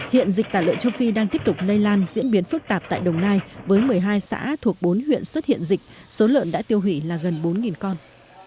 hiện dịch tả lợn châu phi đang tiếp tục lây lan diễn biến phức tạp tại đồng nai với một mươi hai xã thuộc bốn huyện xuất hiện dịch số lợn đã tiêu hủy là gần bốn con